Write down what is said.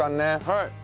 はい。